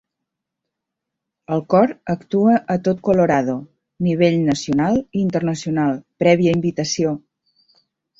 El Cor actua en tot Colorado, a nivell nacional i internacional, prèvia invitació.